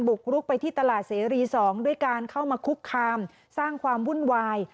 กรุกไปที่ตลาดเสรี๒ด้วยการเข้ามาคุกคามสร้างความวุ่นวาย